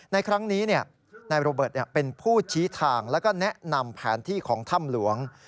ในครั้งนี้นายโรเบิร์ตเป็นผู้ชี้ทางแล้วก็แนะนำแผนที่ของถ้ำหลวง